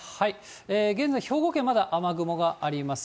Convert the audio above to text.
現在、兵庫県まだ雨雲があります。